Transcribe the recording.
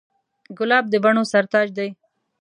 ګلاب د بڼو سر تاج دی.